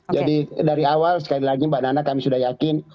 jadi dari awal sekali lagi mbak nana kami sudah yakin